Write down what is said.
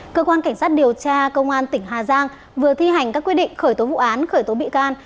cơ quan cảnh sát điều tra công an tỉnh hà giang vừa thi hành các quy định khởi tố vụ án khởi tố bị can